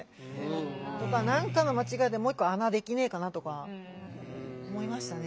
何かの間違いでもう一個穴できねえかなとか思いましたね。